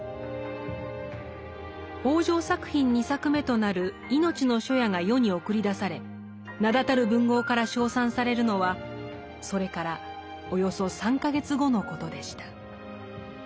北條作品２作目となる「いのちの初夜」が世に送り出され名だたる文豪から称賛されるのはそれからおよそ３か月後のことでした。